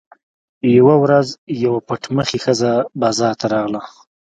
یوه ورځ یوه پټ مخې ښځه بازار ته راغله.